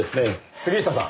杉下さん！